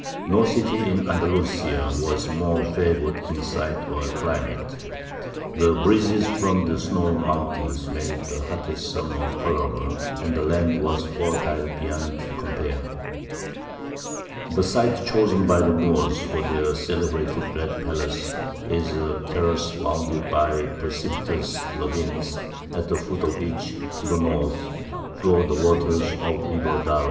No city in Andalusia was more favoured in site or climate; the breezes from the snow mountains made the hottest summer tolerable, and the land was fertile beyond compare. The site chosen by the Moors for their celebrated Red Palace is a terrace bounded by precipitous ravines, at the foot of which, to the north, flow the waters of the river Darro.